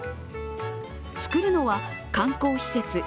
作るのは、観光施設